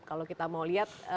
kalau kita mau lihat